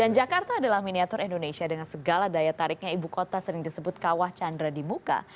dan jakarta adalah miniatur indonesia dengan segala daya tariknya ibu kota sering disebut kawah chandra di muka